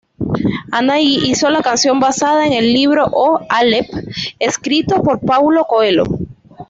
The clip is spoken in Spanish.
Anahí hizo la canción basada en el libro "O Aleph", escrito por Paulo Coelho.